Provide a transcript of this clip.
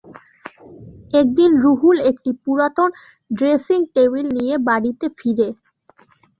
একদিন রুহুল একটি পুরাতন ড্রেসিং টেবিল নিয়ে বাড়িতে ফিরে।